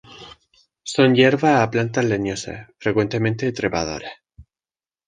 Son hierbas a plantas leñosas, frecuentemente trepadoras.